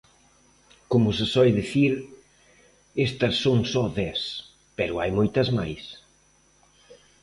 Como se soe dicir, estas son só dez, pero hai moitas máis.